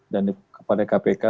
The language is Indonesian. dan kepada kpk